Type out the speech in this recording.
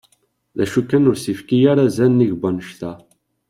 D acu kan ur as-yefki ara azal nnig n wannect-a.